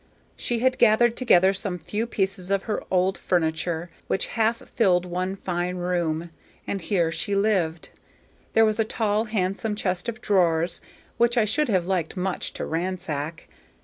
She had gathered together some few pieces of her old furniture, which half filled one fine room, and here she lived. There was a tall, handsome chest of drawers, which I should have liked much to ransack.